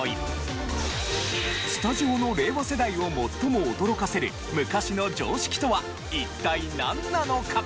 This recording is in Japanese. スタジオの令和世代を最も驚かせる昔の常識とは一体なんなのか？